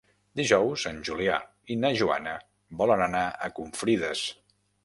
Dijous en Julià i na Joana volen anar a Confrides.